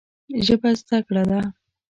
ژبه زده کړه ده